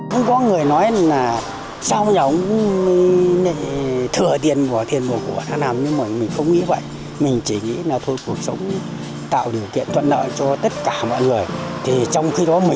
không có người nói là sao không giống